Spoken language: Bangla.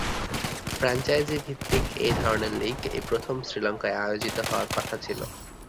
ফ্র্যাঞ্চাইজি ভিত্তিক এই ধরনের লীগ এই প্রথম শ্রীলঙ্কায় আয়োজিত হওয়ার কথা ছিল।